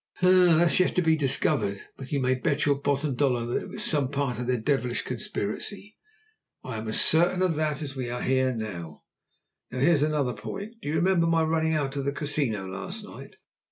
"Ah! That's yet to be discovered. But you may bet your bottom dollar it was some part of their devilish conspiracy. I'm as certain of that as that we are here now. Now here's another point. Do you remember my running out of the Casino last night?